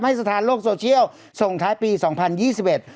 สถานโลกโซเชียลส่งท้ายปีสองพันยี่สิบเอ็ด